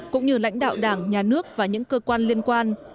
cũng như lãnh đạo đảng nhà nước và những cơ quan liên quan